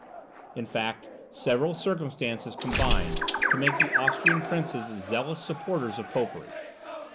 In fact, several circumstances combined to make the Austrian princes zealous supporters of popery.